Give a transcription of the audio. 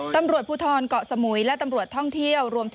ตำรวจผู้ทอนเกาะสมุยและตำรวจท่องเที่ยว